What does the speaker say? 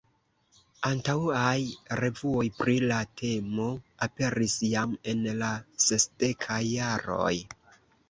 Antaŭaj revuoj pri la temo aperis jam en la sesdekaj jaroj.